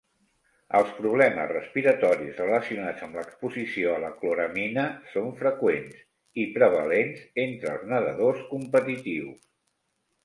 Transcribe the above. Els problemes respiratoris relacionats amb l'exposició a la cloramina són freqüents i prevalents entre els nedadors competitius.